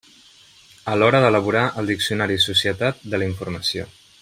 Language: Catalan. A l'hora d'elaborar el diccionari Societat de la informació.